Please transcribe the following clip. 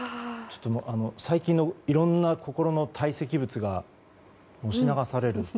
最近のいろんな心の堆積物が押し流される。